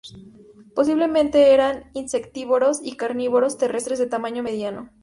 Posiblemente eran insectívoros y carnívoros terrestres de tamaño mediano.